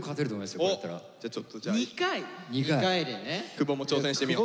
久保も挑戦してみよう。